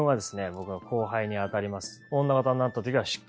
僕の後輩にあたります。